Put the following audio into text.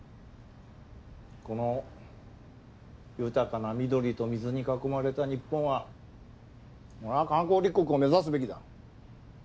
この豊かな緑と水に囲まれた日本は観光立国を目指すべきだ。